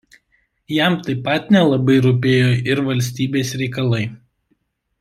Jam taip pat nelabai rūpėjo ir valstybės reikalai.